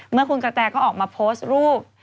เมื่อคุณกระแตก็ออกมาโพสต์รูป